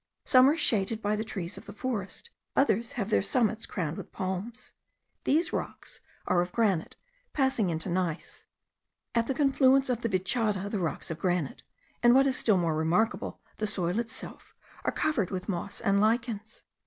Some are shaded by the trees of the forest, others have their summits crowned with palms. These rocks are of granite passing into gneiss. At the confluence of the Vichada the rocks of granite, and what is still more remarkable, the soil itself, are covered with moss and lichens.